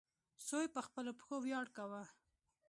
سوی په خپلو پښو ویاړ کاوه.